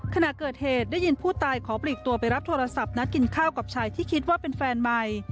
ขณะเกิดเหตุได้ยินผู้ตายขอปลีกตัวไปรับโทรศัพท์นัดกินข้าวกับชายที่คิดว่าเป็นแฟนใหม่